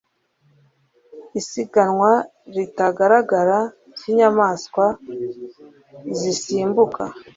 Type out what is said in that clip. isiganwa ritagaragara ry'inyamaswa zisimbuka